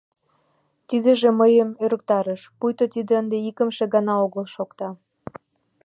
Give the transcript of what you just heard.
Тидыже мыйым ӧрыктарыш: пуйто тиде ынде икымше гана огыл шокта.